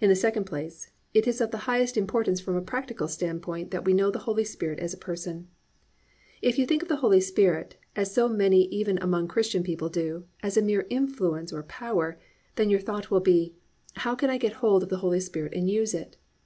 2. In the second place, it is of the highest importance from a practical standpoint that we know the Holy Spirit as a person. If you think of the Holy Spirit, as so many even among Christian people do, as a mere influence or power, then your thought will be, "How can I get hold of the Holy Spirit and use it."